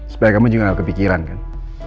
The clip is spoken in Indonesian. supaya kamu juga gak kepikiran kan